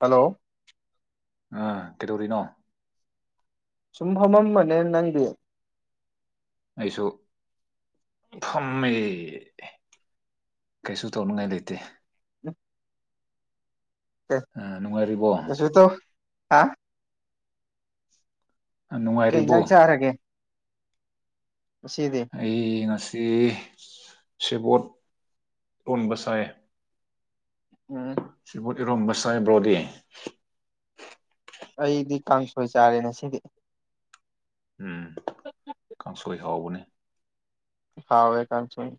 hello ꯑꯥ ꯀꯩꯗꯧꯔꯤꯅꯣ ꯁꯨꯝꯍꯃꯝ ꯃꯅꯦ ꯅꯪꯗꯤ ꯑꯩꯁꯨ ꯐꯝꯃꯦ ꯀꯩꯁꯨ ꯇꯧꯅꯤꯡꯉꯥꯏ ꯂꯩꯇꯦ [inaudible] ꯑ ꯅꯨꯡꯉꯥꯏꯔꯤꯕꯣ ꯀꯩꯁꯨ ꯇꯧ ꯍꯥ ꯅꯨꯡꯉꯥꯏꯔꯤꯕꯣ ꯀꯩꯖꯪ ꯆꯔꯒꯦ ꯑꯩ ꯉꯁꯤ ꯁꯦꯕꯣꯠ ꯂꯣꯟꯕ ꯁꯥꯏ ꯎꯝ ꯁꯤꯕꯨꯠ ꯏꯔꯣꯝꯕ ꯆꯥꯏꯕ꯭ꯔꯣꯗꯤꯦ ꯑꯩꯗꯤ ꯀꯥꯡꯁꯣꯏ ꯆꯥꯔꯦ ꯉ ꯁꯤꯗꯤ ꯎꯝ ꯀꯥꯡꯁꯣꯏ ꯍꯥꯎꯕꯅꯤ ꯌꯥꯋꯦ ꯀꯥꯟꯁꯨꯅꯤ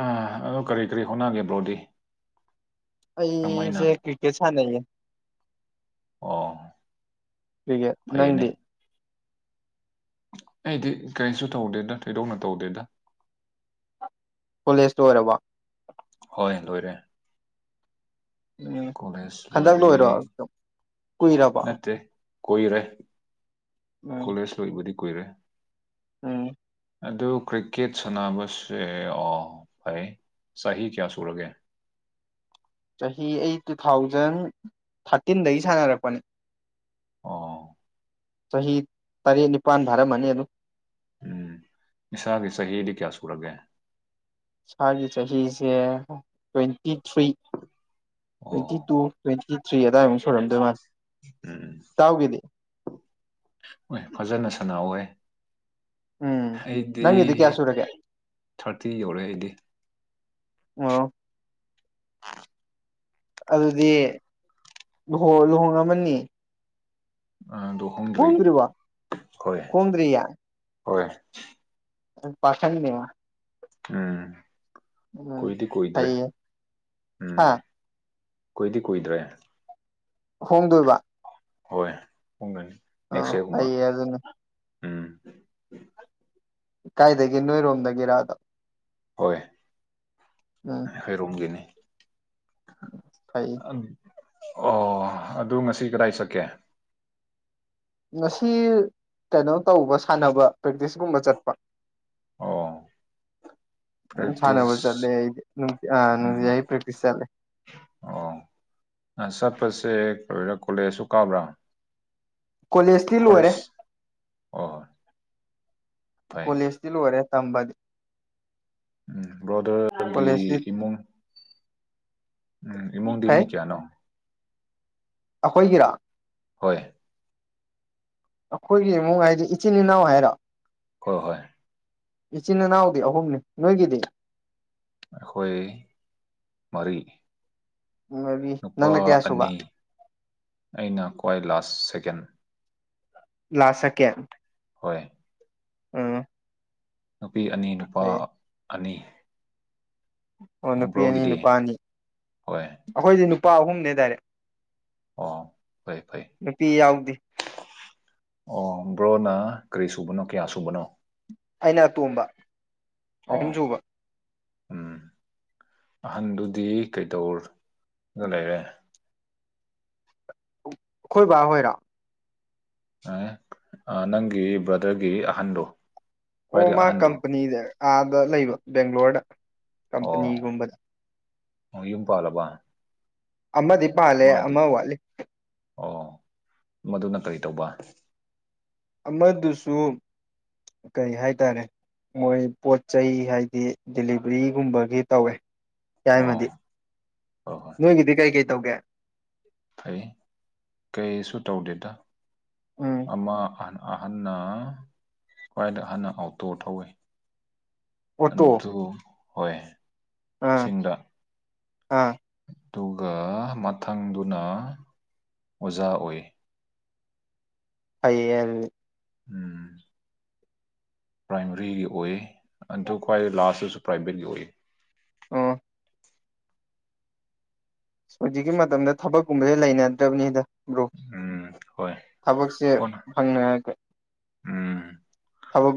ꯑ ꯑꯣ ꯀꯔꯤ ꯀꯔꯤ ꯍꯣꯠꯅꯒꯦ ꯕ꯭ꯔꯣꯗꯤ ꯀꯔꯝꯃꯥꯏꯅ ꯑꯩꯁꯦ ꯀ꯭ꯀꯦꯠ ꯁꯥꯟꯅꯩꯌꯦ ꯑꯣ ꯀ꯭ꯔꯤꯛꯀꯦꯠ ꯐꯩꯌꯦꯅꯦ ꯅꯪꯗꯤ ꯑꯩꯗꯤ ꯀꯔꯤꯁꯨ ꯇꯧꯗꯦꯗ ꯊꯣꯏꯗꯣꯛꯅ ꯇꯧꯗꯦꯗ ꯀꯣꯂꯦꯖꯇ ꯑꯣꯏꯔꯕ ꯍꯣꯏ ꯂꯣꯏꯔꯦ ꯎ ꯀꯣꯂꯦꯖ ꯍꯟꯗꯛ ꯂꯣꯏꯔꯦ ꯂꯣꯏꯔꯣꯝ ꯀꯨꯏꯔꯕ ꯀꯣꯏꯏꯔꯦ ꯀꯣꯂꯦꯖ ꯂꯣꯏꯕꯨꯗꯤ ꯀꯨꯏꯔꯦ ꯎꯝ ꯑꯗꯨ ꯀ꯭ꯔꯤꯀꯦꯠ ꯁꯥꯟꯅꯕꯁꯦ ꯑꯣ ꯐꯩ ꯆꯍꯤ ꯀꯌꯥ ꯁꯨꯔꯒꯦ [unintelligible] ꯆꯍꯤ ꯑꯩ ꯇꯨ ꯊꯥꯎꯖꯟ ꯊꯥꯔꯇꯤꯟꯗꯒꯤ ꯁꯥꯟꯅꯔꯛꯄꯅꯦ ꯑ ꯆꯍꯤ ꯇꯔꯦꯠ ꯅꯤꯄꯥꯟ ꯚꯔ ꯑꯃꯅꯤꯅꯤ ꯑꯗꯨ ꯑꯗꯨ ꯎ ꯏꯁꯅꯤꯁꯥꯒꯤ ꯁꯍꯤꯂꯤ ꯀꯌꯥ ꯁꯨꯔꯒꯦ ꯏꯁꯒꯤ ꯆꯍꯤꯁꯦ ꯇ꯭ꯋꯦꯟꯇꯤ ꯊ꯭ꯔꯤ ꯇ꯭ꯋꯦꯟꯇꯤ ꯑꯣ ꯇꯨ ꯇ꯭ꯋꯦꯟꯇꯤ ꯊ꯭ꯔꯤ ꯑꯗꯥꯏꯃꯨꯛ ꯁꯣꯏꯨꯔꯝꯗꯣꯏ ꯃꯥꯅꯤ ꯎꯝ ꯍꯣꯏ ꯐꯖꯅ ꯁꯅꯥ ꯑꯣꯏ ꯎꯝ ꯑꯩꯗꯤ ꯅꯪꯒꯤꯗꯤ ꯀꯌꯥ ꯁꯨꯔꯒꯦ ꯊꯥꯔꯇꯤ ꯌꯧꯔꯑꯦ ꯑꯩꯗꯤ ꯑ ꯑꯗꯨꯗꯤꯨꯍ ꯂꯨꯍꯣꯡꯃꯅꯤ ꯑꯗꯣ ꯍꯣꯡꯗ꯭ꯔꯤ ꯀꯨꯗꯔꯤꯕ ꯍꯣꯏ ꯀꯨꯗꯔꯌꯥ ꯍꯣꯏ ꯄꯁꯅꯤ ꯎꯝ ꯎꯝ ꯀꯨꯏꯗꯤ ꯀꯨꯏꯗ꯭ꯔꯦ ꯐꯩꯌꯦ ꯎꯝ ꯍꯥ ꯀꯨꯏꯗꯤ ꯀꯨꯏꯗ꯭ꯔꯦ ꯍꯣꯡꯗꯣꯏꯕ ꯍꯣꯏ ꯄꯗꯅꯤ ꯑꯥ ꯅꯦꯛꯁ ꯗꯦꯒꯨꯝꯕ ꯐꯩꯌꯦ ꯑꯗꯨꯅꯤ ꯎꯝ ꯀꯥꯏꯗꯗꯒꯤ ꯅꯣꯏꯔꯣꯝꯗꯒꯤꯔꯑꯗ ꯍꯣꯏ ꯑꯩ ꯍꯣꯏꯔꯣꯝꯒꯤꯅꯤ ꯎꯝ ꯐꯩ ꯑꯣ ꯑꯗꯨ ꯉꯁꯤ ꯀꯗꯥꯏ ꯆꯠꯀꯦ ꯉꯁꯤ ꯀꯩꯅꯣ ꯇꯧꯕ ꯁꯥꯟꯅꯕ ꯄ꯭ꯔꯦꯛꯇꯤꯁꯒꯨꯝꯕ ꯆꯠꯄ ꯑꯣ ꯁꯥꯟꯕ ꯄ꯭ꯔꯦꯛꯇꯤꯁ ꯆꯂꯗꯤ ꯑꯩꯗꯤ ꯎꯝ ꯅꯨꯡꯇꯤꯖꯥꯏ ꯄ꯭ꯔꯦꯛꯇꯤꯁ ꯆꯠꯂꯦ ꯑꯣ ꯑ ꯆꯠꯄꯁꯦ ꯀꯔ ꯀꯣꯂꯦꯖꯁꯨ ꯀꯥꯕ꯭ꯔꯥ ꯀꯣꯂꯦꯖꯇꯤ ꯂꯣꯏꯔꯦ ꯀꯣꯂꯦꯖ ꯑꯣ ꯐꯩ ꯀꯣꯂꯦꯖꯇꯤ ꯂꯣꯏꯔꯦ ꯇꯝꯕꯗꯤ ꯎꯝ ꯕ꯭ꯔꯣꯗꯔꯒꯤ ꯀꯣꯂꯦꯖꯇꯤ ꯏꯃꯨꯡ ꯎꯝ ꯏꯃꯨꯡꯗꯤ ꯃꯤ ꯀꯌꯥꯅꯣ ꯑꯩꯈꯣꯏꯒꯤꯔꯥ ꯍꯣꯏ ꯑꯩꯈꯣꯏꯒꯤ ꯏꯃꯨꯡ ꯍꯥꯏꯗꯤ ꯏꯆꯤꯟ ꯏꯅꯥꯎ ꯍꯥꯏꯔꯣ ꯀꯣꯍꯣꯏ ꯏꯆꯤꯟ ꯏꯅꯥꯎꯗꯤ ꯑꯍꯨꯝꯅꯤ ꯅꯣꯏꯒꯤꯗꯤ ꯑꯩꯈꯣꯏ ꯃꯔꯤ ꯃꯔꯤ ꯅꯨꯄꯥ ꯅꯪꯅ ꯀꯌꯥ ꯁꯨꯕ ꯑꯅꯤ ꯑꯩꯅ ꯈ꯭ꯋꯥꯏ ꯂꯥꯁ ꯁꯦꯀꯦꯟ ꯂꯥꯁ ꯁꯦꯀꯦꯜ ꯍꯣꯏ ꯑ ꯅꯨꯄꯤ ꯑꯅꯤ ꯅꯨꯄꯥ ꯑꯅꯤ ꯑꯣ ꯅꯨꯄꯤ ꯑꯅꯤ ꯅꯨꯄꯥ ꯑꯅꯤ ꯍꯣꯏ ꯑꯩꯈꯣꯏꯗꯤ ꯅꯨꯄꯥ ꯑꯍꯨꯝꯅꯦ ꯗꯥꯏꯔꯦꯛ ꯑꯣ ꯐꯩ ꯐꯩ ꯅꯨꯄꯤ ꯌꯥꯎꯗꯦ ꯑꯣ ꯕ꯭ꯔꯣꯅ ꯀꯔꯤ ꯁꯨꯕꯅꯣ ꯀꯌꯥ ꯁꯨꯕꯅꯣ ꯑꯩꯅ ꯑꯇꯣꯝꯕ ꯑꯍꯨꯝ ꯑꯣ ꯁꯨꯕ ꯎꯝ ꯑꯍꯟꯗꯨꯗꯤ ꯀꯩꯗꯧꯔꯒ ꯂꯩꯔꯦ ꯑꯩꯈꯣꯏ ꯕꯥ ꯍꯣꯏꯔꯥ ꯑꯦ ꯅꯪꯒꯤ ꯕ꯭ꯔꯗꯔꯒꯤ ꯑꯍꯟꯗꯣ ꯑꯣ ꯈ꯭ꯋꯥꯏꯗꯒꯤ ꯃꯥ ꯑꯍꯟꯗꯣ ꯀꯝꯄꯅꯤꯗ ꯑꯥꯗ ꯂꯩꯕ ꯕꯦꯡꯒ꯭ꯂꯣꯔꯗ ꯀꯝꯄꯅꯤꯒꯨꯝꯕꯗ ꯃꯌꯨꯝ ꯄꯥꯂꯕ ꯑꯃꯗꯤ ꯄꯥꯜꯂꯦ ꯑꯃ ꯋꯥꯠꯂꯤ ꯑꯣ ꯃꯗꯨꯅ ꯀꯔꯤ ꯇꯧꯕ ꯑꯃꯗꯨꯁꯨ ꯀꯩ ꯍꯥꯏꯇꯥꯔꯦ ꯃꯣꯏ ꯄꯣꯠ ꯆꯩꯩ ꯍꯥꯏꯗꯤ ꯗꯤꯂꯤꯚꯔꯤꯒꯨꯝꯕꯒꯤ ꯇꯧꯋꯦ ꯑꯣ ꯌꯥꯏꯃꯗꯤ ꯍꯣꯏ ꯍꯣꯏ ꯅꯣꯏꯒꯤꯗꯤ ꯀꯩ ꯀꯩ ꯇꯧꯒꯦ ꯐꯩ ꯀꯩꯁꯨ ꯇꯧꯗꯦꯗ ꯎꯝ ꯑꯃ ꯑꯅ ꯑꯍꯟꯅ ꯈ꯭ꯋꯥꯏꯗ ꯑꯍꯟꯅ ꯑꯥꯎꯇꯣ ꯊꯧꯋꯤ ꯑꯣꯇꯣ ꯑꯗꯨ ꯍꯣꯏ ꯑꯥ ꯁꯤꯡꯗ ꯑꯥ ꯑꯗꯨꯒ ꯃꯊꯪꯗꯨꯅ ꯑꯣꯖꯥ ꯑꯣꯏ ꯐꯩꯌꯦ ꯑꯗꯨ ꯎꯝ ꯄ꯭ꯔꯥꯏꯃꯔꯤꯒꯤ ꯑꯣꯏ ꯑ ꯈ꯭ꯋꯥꯏ ꯂꯥꯁꯇꯁꯨ ꯄ꯭ꯔꯥꯏꯚꯦꯠꯀꯤ ꯑꯣꯏ ꯑꯣ ꯍꯧꯖꯤꯛꯀꯤ ꯃꯇꯝꯗ ꯊꯕꯛꯀꯨꯝꯕꯁꯦ ꯂꯩꯅꯗ꯭ꯔꯕꯅꯤ ꯗ ꯕ꯭ꯔꯣ ꯎꯝ ꯍꯣꯏ ꯊꯕꯛꯁꯦ ꯍꯣꯠꯅ ꯐꯪꯅꯒ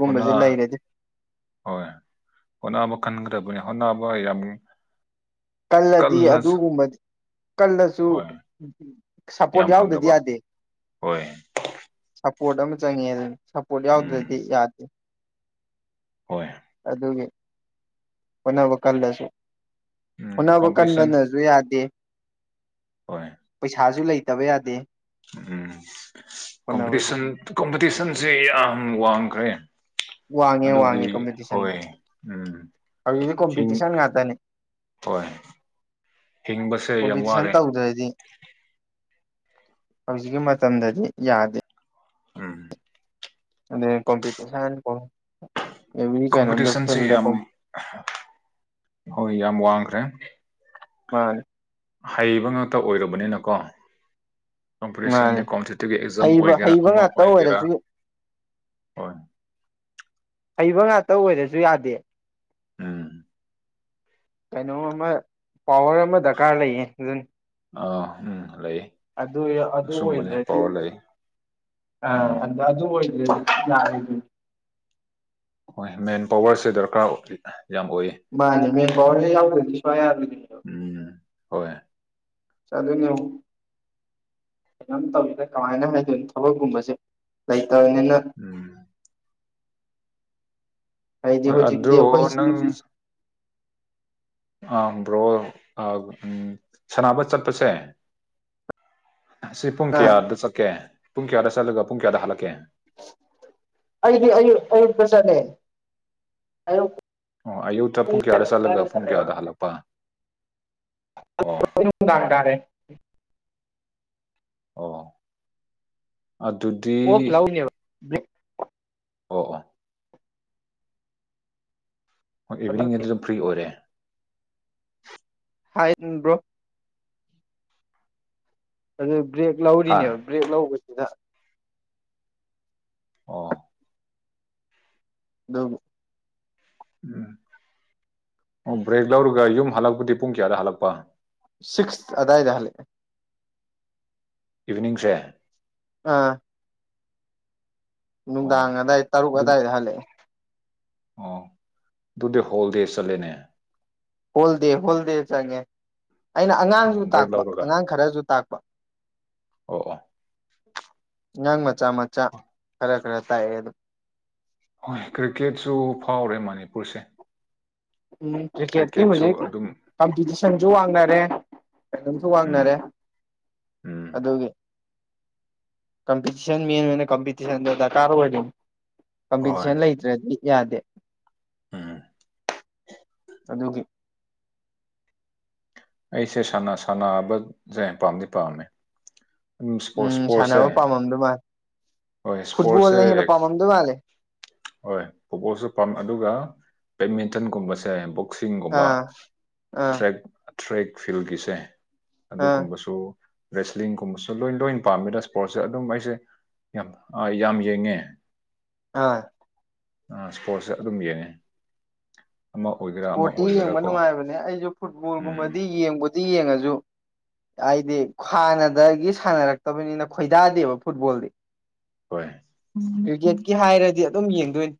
ꯍꯩꯅꯥ ꯂꯩꯔꯗꯤ ꯍꯣꯏ ꯍꯩꯠꯅꯕ ꯈꯟꯈ꯭ꯔꯕꯅꯤ ꯍꯣꯠꯅꯕ ꯌꯥꯝ ꯀꯜꯂꯗꯤ ꯀꯜꯂ ꯑꯗꯨꯒꯨꯝꯕꯗꯤ ꯀꯜꯂꯁꯨ ꯍꯣꯏ ꯁꯞꯄꯣꯔꯠ ꯌꯥꯝ ꯌꯥꯎꯗꯗꯤ ꯐꯪꯗꯕ ꯌꯥꯗꯦ ꯍꯣꯏ ꯁꯞꯄꯣꯔꯠ ꯑꯃ ꯆꯪꯉꯦ ꯑꯗꯨꯅ ꯁꯞꯄꯣꯔꯠ ꯌꯥꯎꯗ꯭ꯔꯗꯤ ꯎꯝ ꯌꯥꯗꯦ ꯍꯣꯏ ꯑꯗꯨꯒꯤ ꯍꯣꯠꯅꯕꯅꯕ ꯀꯜꯗꯁꯨ ꯎꯝ ꯍꯅꯕ ꯀꯝꯄꯤꯇꯤꯁꯟ ꯀꯟꯗꯟꯅꯁꯨ ꯌꯥꯗꯦ ꯍꯣꯏ ꯄꯩꯁꯥꯁꯨ ꯂꯩꯇꯕ ꯌꯥꯗꯦ ꯎꯝ ꯍꯣꯠꯅꯕꯗ ꯀꯝꯄꯤꯇꯤꯁꯟ ꯀꯝꯄꯤꯇꯤꯁꯟꯁꯤ ꯌꯥꯝ ꯋꯥꯡꯈ꯭ꯔꯦ ꯋꯥꯡꯉꯦ ꯋꯥꯡꯉꯦ ꯑꯗꯨꯒꯤ ꯀꯝꯄꯤꯇꯤꯁꯟ ꯍꯣꯏ ꯎꯝ ꯍꯧꯖꯤꯛꯇꯤ ꯆꯁꯤꯡ ꯀꯣꯝꯄꯤꯇꯤꯁꯟ ꯇꯣꯏ ꯑꯣꯕꯤꯁꯟ ꯇꯧꯗ꯭ꯔꯩꯗꯤ ꯍꯧꯖꯤꯛꯀꯤ ꯃꯇꯝꯗꯗꯤ ꯌꯥꯗꯦ ꯎꯝ ꯑꯗ ꯀꯣꯝꯄꯤꯇꯤꯁꯟ ꯑꯦꯕ꯭ꯔꯤ ꯀꯩꯅꯣꯝꯗ ꯀꯣꯝꯄꯤꯇꯤꯁꯟꯁꯤ ꯐꯤꯜꯗ ꯌꯥꯝ ꯍꯣꯏ ꯌꯥꯝ ꯋꯥꯡꯈ꯭ꯔꯦ ꯍ ꯍꯩꯕ ꯉꯥꯛꯇ ꯑꯣꯏꯔꯕꯅꯤꯅꯀꯣ ꯀꯝꯄꯤꯇꯤꯁꯟꯗ ꯃꯥꯅꯤ ꯀꯣꯝꯄꯤꯇꯤꯇꯤꯞ ꯑꯦꯛꯖꯥꯝ ꯍꯩꯕ ꯑꯣꯏꯒꯦꯔꯥ ꯍꯩꯕ ꯑꯃ ꯉꯥꯛꯇ ꯑꯣꯏꯒꯦꯔꯥ ꯑꯣꯏꯔꯁꯨ ꯍꯣꯏ ꯍꯩꯕ ꯉꯥꯛꯇ ꯑꯣꯏꯔꯁꯨ ꯌꯥꯗꯦ ꯎꯝ ꯀꯩꯅꯣ ꯑꯃ ꯄꯋꯔ ꯑꯃ ꯗꯔꯀꯥꯔ ꯂꯩꯌꯦ ꯑꯗꯨꯟ ꯑ ꯎꯝ ꯂꯩ ꯑꯗꯨ ꯑꯗꯨ ꯑꯁꯨꯝꯕꯅꯦ ꯑꯣꯏꯗ꯭ꯔꯗꯤ ꯄꯋꯥꯔ ꯂꯩ ꯑ ꯑꯣꯏ ꯌꯥꯔ ꯍꯣꯏ ꯃꯦꯟ ꯄꯋꯥꯔꯁꯦ ꯗꯔꯀꯥꯔ ꯑꯣꯏ ꯃꯥꯅꯦ ꯃꯦꯟ ꯄꯋꯥꯔ ꯍ ꯌꯥꯎꯈꯗꯤ ꯁꯋꯥꯏ ꯌꯥ ꯎꯝ ꯍꯣꯏ ꯆ ꯑꯗꯨꯅ ꯀꯩꯅꯣꯝ ꯇꯧꯋꯤꯗ ꯀꯃꯥꯏꯅ ꯍꯥꯏꯗꯣꯏꯅꯣ ꯊꯕꯛꯀꯨꯝꯕꯁꯦ ꯂꯩ ꯎꯝ ꯍꯥꯏꯗꯤ ꯍꯣꯏ ꯍꯧꯖꯤꯛꯇꯤ ꯑꯗꯨ ꯑꯩꯈꯣꯏ ꯅꯪ ꯁꯤ ꯑ ꯕ꯭ꯔꯣ ꯎ ꯁꯅꯕ ꯆꯠꯄꯁꯦ ꯑꯁꯤ ꯄꯨꯡ ꯀꯌꯥꯗ ꯆꯠꯀꯦ ꯄꯨꯡ ꯀꯌꯥꯗ ꯆꯠꯂꯒ ꯄꯨꯡ ꯀꯌꯥꯗ ꯍꯜꯂꯛꯀꯦ ꯑꯩꯗꯤ ꯑꯌꯨ ꯑꯌꯨ ꯄ꯭ꯔꯁꯥꯅꯦ ꯑꯌꯨ ꯑꯣ ꯑꯌꯨꯛꯇ ꯄꯨꯡ ꯀꯌꯥꯗ ꯆꯠꯂꯒ ꯄꯨꯡ ꯀꯌꯥꯗ ꯍꯜꯂꯛꯄ ꯑꯣ ꯇꯥꯛꯀꯔꯦ ꯑꯣ ꯑꯗꯨꯗꯤ ꯃ ꯑꯣ ꯍ ꯏꯚꯅꯤꯡꯗꯤ ꯑꯗꯨꯝ ꯐ꯭ꯔꯤ ꯑꯣꯏꯔꯦ ꯍꯥꯏꯕ꯭ꯔꯣ ꯑꯗꯨ ꯕ꯭ꯔꯦꯛ ꯍꯥ ꯂꯧꯔꯤꯅꯦꯕ ꯕ꯭ꯔꯦꯛ ꯂꯧꯕꯁꯤꯗ ꯑ ꯑꯗꯨꯕꯨ ꯎꯝ ꯑꯣ ꯕ꯭ꯔꯦꯛ ꯂꯧꯔꯒ ꯌꯨꯝ ꯍꯜꯂꯛꯄꯗꯤ ꯄꯨꯡ ꯀꯌꯥꯗ ꯍꯜꯂꯛꯄ ꯁꯤꯛꯁ ꯑꯗ ꯏꯗꯍꯂꯦ ꯏꯚꯅꯤꯡꯁꯦ ꯑꯥ ꯑꯣ ꯅꯨꯡꯗꯥꯡ ꯑꯗꯥꯏ ꯇꯔꯨꯛ ꯑꯋꯥꯏꯗ ꯍꯜꯂꯛꯑꯦ ꯑ ꯗꯨꯦ ꯍꯣꯜꯗ ꯆꯜꯂꯦꯅꯦ ꯍꯣꯜꯗꯦ ꯍꯣꯜꯗꯦ ꯆꯪꯉꯦ ꯑꯩꯅ ꯑꯉꯥꯡꯁꯨ ꯑꯣ ꯕ꯭ꯔꯦꯛ ꯇꯥꯛꯄ ꯂꯧꯔꯒ ꯑꯉꯥꯡ ꯈꯔꯁꯨ ꯇꯥꯛꯄ ꯑꯣ ꯑꯣ ꯑꯉꯥꯡ ꯃꯆꯥ ꯃꯆꯥ ꯈꯔ ꯈꯔ ꯇꯥꯛꯑꯦ ꯑꯗꯨꯝ ꯍꯣꯏ ꯀ꯭ꯔꯤꯀꯦꯠꯁꯨ ꯐꯥꯎꯔꯦ ꯃꯅꯤꯄꯨꯔꯁꯦ ꯎꯝ ꯀ꯭ꯔꯤꯛꯀꯦꯠꯇꯤ ꯀ꯭ꯔꯤꯛꯀꯦꯠꯁꯨ ꯍꯨꯖꯤꯛ ꯑꯗꯨꯝ ꯀꯝꯄꯤꯇꯤꯁꯟꯁꯨ ꯋꯥꯡꯅꯔꯦ ꯑꯗꯨꯝꯁꯨ ꯎꯝ ꯋꯥꯡꯅꯔꯦ ꯎꯝ ꯑꯗꯨꯒꯤ ꯀꯝꯄꯤꯇꯤꯟ ꯃꯦꯟ ꯑꯣꯏꯅ ꯀꯝꯄꯤꯇꯤꯁꯟꯗꯣ ꯗꯔꯀꯥꯔ ꯑꯣꯏꯔꯤꯅꯤ ꯍꯣꯏ ꯀꯝꯄꯤꯇꯤꯁꯟ ꯂꯩꯇ꯭ꯔꯗꯤ ꯌꯥꯗꯦ ꯎꯝ ꯑꯗꯨꯒꯤ ꯑꯩꯁꯦ ꯁꯥꯟꯅ ꯁꯥꯟꯕꯁꯦ ꯄꯥꯝꯗꯤ ꯄꯥꯝꯃꯦ ꯎꯝ ꯏꯁꯄꯣꯔꯠ ꯏꯁꯄꯣꯔꯠꯁꯦ ꯁꯥꯟꯅꯕ ꯄꯥꯝꯃꯝꯗꯣꯏ ꯃꯥꯜꯂꯦ ꯍꯣꯏ ꯏꯁꯄꯣꯔꯠꯁꯦ ꯐꯨꯠꯕꯣꯜꯅ ꯍꯦꯟꯅ ꯄꯥꯝꯃꯝꯗꯣꯏ ꯃꯥꯜꯂꯦ ꯍꯣꯏ ꯐꯨꯠꯕꯣꯜꯁꯨ ꯄꯥꯝ ꯑꯗꯨꯒ ꯕꯦꯠꯃꯤꯟꯇꯟꯒꯨꯝꯕꯁꯦ ꯕꯣꯛꯁꯤꯡꯒꯨꯝꯕ ꯑꯥ ꯑꯥ ꯇ꯭ꯔꯦꯛ ꯇ꯭ꯔꯦꯛ ꯐꯤꯜꯒꯤꯁꯦ ꯑꯥ ꯑꯗꯨꯒꯨꯝꯕꯁꯨ ꯔꯦꯁꯂꯤꯡꯒꯨꯝꯕꯁꯨ ꯂꯣꯏ ꯂꯣꯏꯅ ꯄꯥꯝꯃꯤꯗ ꯏꯁꯄꯣꯔꯠꯁꯦ ꯑꯗꯨꯝ ꯑꯩꯁꯦ ꯌꯥꯝ ꯑ ꯌꯥꯝ ꯌꯦꯡꯉꯦ ꯑꯥ ꯏꯁꯄꯣꯔꯠꯁꯦ ꯑꯗꯨꯝ ꯌꯦꯡꯉꯦ ꯑꯃ ꯑꯣꯏꯒꯦꯔꯥ ꯑꯃ ꯏꯁꯄꯣꯔꯠꯇꯤ ꯑꯣꯏꯒꯦꯔꯥ ꯌꯦꯡꯕ ꯀꯣ ꯅꯨꯡꯉꯥꯏꯕꯅꯦ ꯑꯩꯁꯨ ꯎꯝ ꯐꯨꯠꯕꯣꯜꯒꯨꯝꯕꯗꯤ ꯌꯦꯡꯕꯗꯤ ꯌꯦꯡꯉꯁꯨ ꯑꯩꯗꯤ ꯍ꯭ꯥꯟꯅꯗꯒꯤ ꯁꯥꯟꯅꯔꯛꯇꯕꯅꯤꯅ ꯈꯣꯏꯗꯥꯗꯦꯕ ꯐꯨꯠꯕꯣꯜꯗꯤ ꯍꯣꯏ ꯌꯦꯠꯀꯤ ꯍꯥꯏꯔꯗꯤ ꯑꯗꯨꯝ ꯌꯦꯡꯗꯣꯏꯅꯤ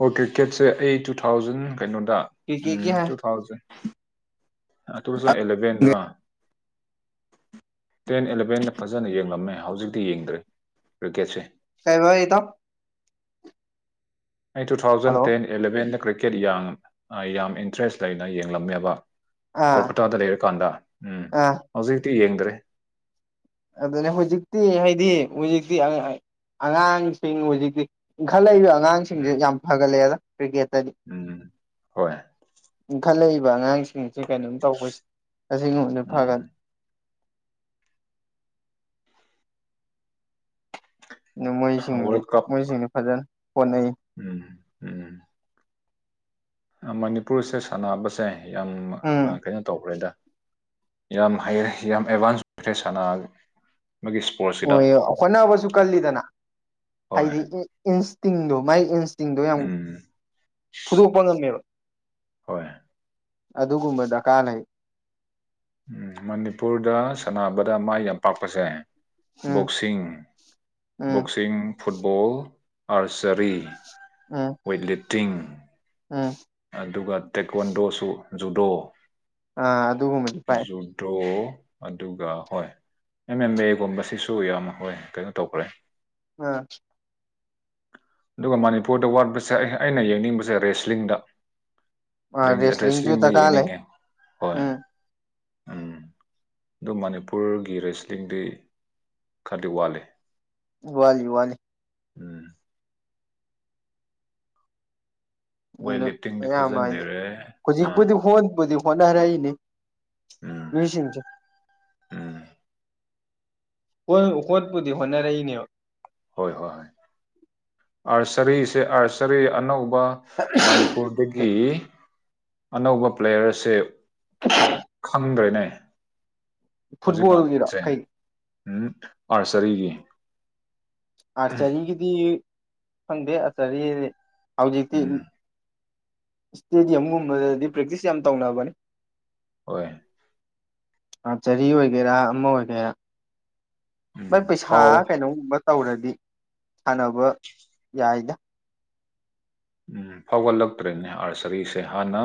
ꯑꯣ ꯀ꯭ꯔꯤꯀꯦꯠꯁꯦ ꯑꯩ ꯇꯨ ꯊꯥꯎꯖꯟ ꯀꯩꯅꯣꯗ ꯎꯝ ꯀ꯭ꯔꯤꯛꯀꯦꯠꯀꯤ two thousand two thousand ꯑꯦꯂꯚꯦꯟꯗꯔ [inaudible] ten ꯑꯦꯂꯚꯦꯟꯗ ꯐꯖꯅ ꯌꯦꯡꯂꯝꯃꯦ ꯍꯧꯖꯤꯛꯇꯤ ꯌꯦꯡꯗꯔ꯭ꯦ ꯀ꯭ꯔꯤꯛꯀꯦꯠꯁꯦ ꯀꯩꯕ ꯏꯇꯥꯎ ꯑꯩ ꯇꯨ ꯊꯥꯎꯖꯟ ꯍꯜꯂꯣ ꯇꯦꯟ ꯑꯦꯂꯚꯦꯟꯗ ꯀ꯭ꯔꯤꯛꯀꯦꯠ ꯌꯥꯝ ꯌꯥꯝ ꯏꯟꯇꯔꯦꯁ ꯂꯩꯅ ꯌꯦꯡꯂꯝꯃꯦꯕ ꯑꯥ ꯀꯣꯜꯀꯇꯥꯗ ꯂꯩꯔꯀꯥꯟꯗ ꯎꯝ ꯑꯥ ꯍꯧꯖꯤꯛꯇꯤ ꯌꯦꯡꯗ꯭ꯔꯦ ꯑꯗꯨꯅꯦ ꯍꯧꯖꯤꯛꯇꯤ ꯍꯥꯏꯗꯤ ꯍꯧꯖꯤꯛꯇꯤ ꯑꯉꯥꯡꯁꯤꯡ ꯍꯨꯖꯤꯛꯇꯤ ꯏꯟꯈꯠꯂꯛꯏꯕ ꯑ ꯉꯥꯡꯁꯤꯡꯁꯦ ꯎꯝ ꯌꯥꯝ ꯐꯒꯠꯂꯛꯑꯦꯗ ꯀ꯭ꯔꯤꯀꯦꯠꯇꯗꯤ ꯎꯝ ꯍꯣꯏ ꯏꯟꯈꯠꯂꯛꯏ ꯕ ꯑꯉꯥꯡꯁꯤꯡꯁꯤ ꯀꯩꯅꯣꯝ ꯇꯧꯕꯁꯦ ꯑꯁꯤꯒꯨꯝꯕꯗꯨ ꯎꯝ ꯐꯒꯅꯤ ꯑꯗꯨ ꯃꯣꯏꯁꯤꯡꯗꯤ ꯋꯥꯔꯜ ꯀꯞ ꯃꯣꯏꯁꯤꯡꯗꯤ ꯐꯖꯅ ꯍꯣꯠꯅꯩ ꯎꯝ ꯎꯝ ꯃꯅꯤꯄꯨꯔꯁꯦ ꯁꯥꯟꯅꯕꯁꯦ ꯌꯥꯝ ꯎꯝ ꯑ ꯀꯩꯅꯣ ꯇꯧꯈ꯭ꯔꯦꯗ ꯌꯥꯝ ꯍꯩꯔꯦ ꯌꯥꯝ ꯑꯦꯗꯚꯥꯟꯁ ꯑꯣꯏ꯭ꯔꯦ ꯁꯥꯟꯅꯒ ꯍꯣꯏ ꯍꯣꯠꯅꯕꯁꯨ ꯀꯜꯂꯤꯗꯅ ꯍꯣꯏ ꯍꯥꯏꯗꯤ ꯏꯟꯁꯇꯤꯡꯗꯨ ꯃꯥꯏ ꯏꯟꯁ ꯇꯤꯡꯗꯣ ꯌꯥꯝ ꯎꯝ ꯐꯨꯗꯣꯛꯄ ꯉꯝꯃꯦꯕ ꯍꯣꯏ ꯑꯗꯨꯒꯨꯝꯕꯗ ꯀꯥꯅꯩ ꯎꯝ ꯃꯅꯤꯄꯨꯔꯗ ꯁꯥꯅꯕꯗ ꯃꯥꯏ ꯌꯥꯝꯄꯥꯛꯥꯄꯁꯦ ꯎꯝ ꯕꯣꯛꯣꯁꯤꯡ ꯎꯝ ꯕꯣꯛꯁꯤꯡ ꯐꯨꯠꯕꯣꯜ ꯑꯥꯔꯆꯔꯤ ꯎꯝ ꯋꯦꯠꯂꯤꯞꯇꯤꯡ ꯎꯝ ꯑꯗꯨꯒ ꯇꯦꯛꯀꯣꯟꯗꯣꯁꯨ ꯖꯨꯗꯣ ꯑꯥ ꯑꯗꯨꯒꯨꯝꯕꯗꯤ ꯄꯥꯏ ꯖꯨꯗꯣ ꯑꯗꯨꯒ ꯍꯣꯏ ꯑꯦꯝ ꯑꯦꯝ ꯃꯦ ꯒꯨꯝꯕꯁꯤꯁꯨ ꯌꯥꯝ ꯍꯣꯏ ꯀꯩꯅꯣ ꯇꯧꯈ꯭ꯔꯦ ꯑ ꯑꯗꯨꯒ ꯃꯅꯤꯄꯨꯔꯗ ꯋꯥꯠꯄꯁꯦ ꯑꯩ ꯑꯩꯅ ꯌꯦꯡꯅꯤꯡꯕꯁꯦ ꯔꯦꯁꯂꯤꯡꯗ ꯑꯥ ꯔꯦꯁꯂꯤꯡꯁꯨ ꯔꯦꯁꯂꯤꯡꯗ ꯗꯔꯀꯥꯔ ꯂꯩ ꯌꯦꯡꯅꯤꯡꯉꯦ ꯍꯣꯏ ꯎꯝ ꯅꯨꯃꯤꯠ ꯑꯗꯨ ꯃꯅꯤꯄꯨꯔꯒꯤ ꯔꯦꯁꯂꯤꯡꯗꯤ ꯈꯔꯗꯤ ꯋꯥꯠꯂꯤ ꯋꯥꯂꯤ ꯋꯥꯂꯤ ꯎꯝ ꯋꯦꯠ ꯑꯗꯨ ꯂꯤꯐꯇꯤꯡꯗꯤ ꯑꯌꯥꯝꯕ ꯐꯖꯅ ꯍꯥꯏꯗꯤꯦ ꯂꯩꯔꯦ ꯑꯥ ꯍꯧꯖꯤꯛꯄꯨꯗꯤ ꯍꯣꯟꯕꯨꯗꯤ ꯍꯣꯠꯅꯔꯛꯏꯅꯤ ꯎꯝ ꯃꯤꯁꯤꯡꯁ ꯎꯝ ꯍꯣꯏ ꯍꯣꯠꯄꯨꯗꯤ ꯍꯣꯠꯅꯔꯛꯏꯅꯦꯕ ꯍꯣꯏ ꯍꯣꯏ ꯍꯣꯏ ꯑꯥꯔꯆꯔꯤꯁꯦ ꯑꯥꯔꯆꯔꯤ ꯑꯅꯧꯕ ꯃꯅꯤꯄꯨꯔꯗꯒꯤ ꯑꯅꯧꯕ ꯄ꯭ꯂꯦꯌꯔꯁꯦ ꯈꯪꯗ꯭ꯔꯦꯅꯦ ꯐꯨꯠꯕꯣꯜꯒꯤꯔꯣ ꯀꯩ ꯎ ꯑꯥꯔꯁꯔꯤꯒꯤ ꯑꯥꯔꯆꯔꯤꯒꯤꯗꯤ ꯐꯪꯗꯦ ꯑꯥꯔꯆꯔꯤ ꯍꯧꯖꯤꯛꯇꯤ ꯎꯝ ꯏꯁꯇꯦꯗꯤꯌꯝꯒꯨꯝꯕꯗꯗꯤ ꯄ꯭ꯔꯦꯛꯇꯤꯁ ꯌꯥꯝ ꯇꯧꯅꯕꯅꯤ ꯍꯣꯏ ꯆꯍꯤ ꯑꯣꯏꯒꯦꯔꯥ ꯑꯃ ꯑꯣꯏꯒꯦꯔꯥ ꯎꯝ ꯃꯣꯏ ꯄꯩꯁꯥ ꯐꯥꯎ ꯀꯩꯅꯣꯒꯨꯝꯕ ꯇꯧꯔꯗꯤ ꯁꯥꯟꯅꯕ ꯌꯥꯏꯗ ꯎꯝ ꯐꯥꯎꯒꯠꯂꯛꯇ꯭ꯔꯦꯅꯦ ꯑꯥꯔꯆꯔꯤꯁꯦ ꯍꯥꯟꯅ